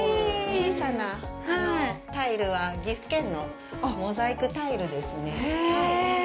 小さなタイルは岐阜県のモザイクタイルですね。